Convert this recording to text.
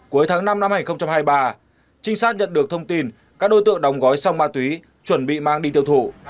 cuối tháng năm năm hai nghìn hai mươi ba trinh sát nhận được thông tin các đối tượng đóng gói xong ma túy chuẩn bị mang đi tiêu thụ